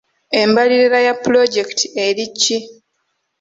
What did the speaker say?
Embalirira ya pulojekiti eri ki?